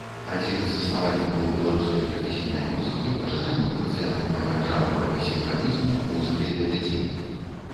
Адзін з заснавальнікаў беларускай прафесійнай музыкі, пачынальнік нацыянальнага жанравага сімфанізму, музыкі для дзяцей.